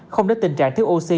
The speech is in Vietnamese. không đến tình trạng thiếu oxy